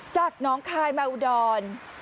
จากน้องคายมาอุดร